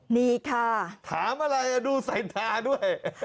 มีค่ะถามอะไรดูใส่ตาด้วย